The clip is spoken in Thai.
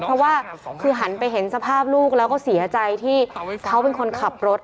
เพราะว่าคือหันไปเห็นสภาพลูกแล้วก็เสียใจที่เขาเป็นคนขับรถ